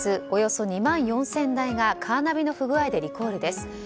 およそ２万４０００台がカーナビの不具合でリコールです。